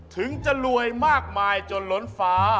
ถึงจะรวยมากมายจนล้นฟ้า